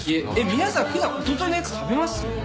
皆さん普段おとといのやつ食べます？